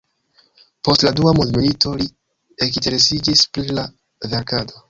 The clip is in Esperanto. Post la dua mondmilito li ekinteresiĝis pri la verkado.